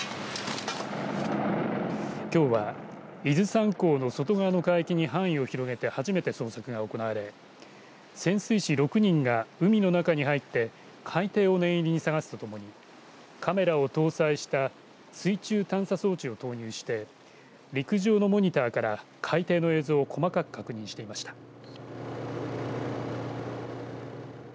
きょうは伊豆山港の外側の海域に範囲を広げて初めて捜索が行われ潜水士６人が海の中に入って海底を念入りに捜すとともにカメラを搭載した水中探査装置を投入して陸上のモニターから海底の映像を細かく確認していました。